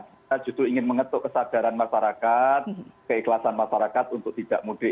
kita justru ingin mengetuk kesadaran masyarakat keikhlasan masyarakat untuk tidak mudik